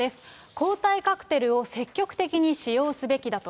抗体カクテルを積極的に使用すべきだと。